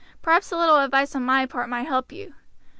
Perhaps a little advice on my part might help you.